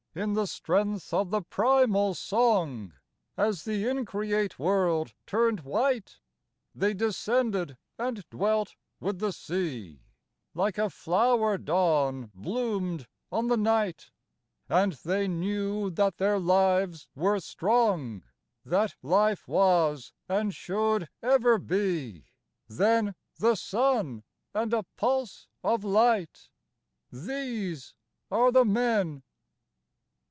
In the strength of the primal song As the increate world turned white They descended and dwelt with the sea, Like a flower dawn bloomed on the night, And they knew that their lives were strong, That life was and should ever be Then the sun ! and a pulse of light These are the men